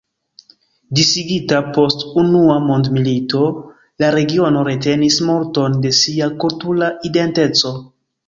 Disigita post unua mondmilito, la regiono retenis multon da sia kultura identeco.